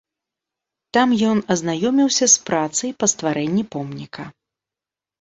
Там ён азнаёміўся з працай па стварэнні помніка.